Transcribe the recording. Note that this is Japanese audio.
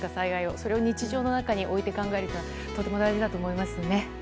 それを日常の中で置いて考えるのはとても大事だと思いますね。